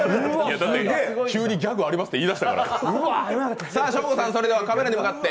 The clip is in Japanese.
急にギャグありますって言い出したから。